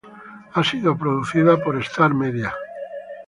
Ha sido producida por Star Media.